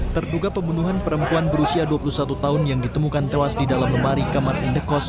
terduga pembunuhan perempuan berusia dua puluh satu tahun yang ditemukan tewas di dalam lemari kamar indekos